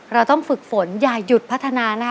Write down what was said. เราต้องฝึกฝนอย่าหยุดพัฒนานะคะ